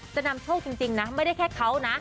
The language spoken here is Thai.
จะนำโชคจริงนะไม่ได้แค่เขานะ